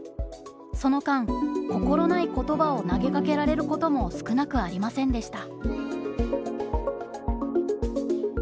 その間心ない言葉を投げかけられることも少なくありませんでした。